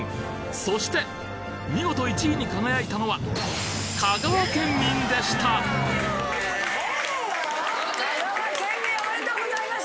そして見事１位に輝いたのは香川県民おめでとうございます！